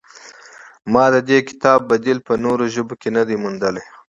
ما د دې کتاب بدیل په نورو ژبو کې نه دی موندلی.